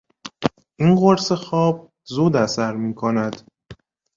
این قرص خواب زود اثر میکند.